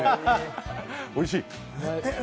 おいしい？